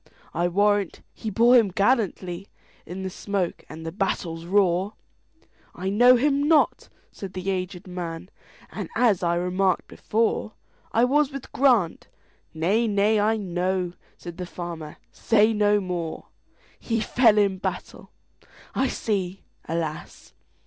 I warrant he bore him gallantlyIn the smoke and the battle's roar!""I know him not," said the aged man,"And, as I remarked before,I was with Grant"—"Nay, nay, I know,"Said the farmer, "say no more:"He fell in battle,—I see, alas!